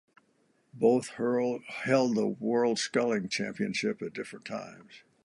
Both held the World Sculling Championship at different times.